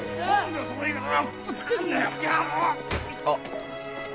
あっ。